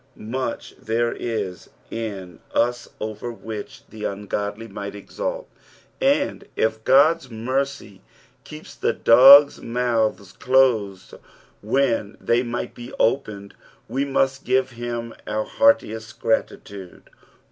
Much there is in us over which the ungodly might exult, and if God's mercy keeps the dogs' mouths closed trhen they might lie opened, we must give hini our heartiest gratitude.